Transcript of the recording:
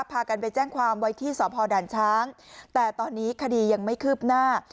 พากันไปแจ้งความไว้ที่สพด่านช้างแต่ตอนนี้คดียังไม่คืบหน้า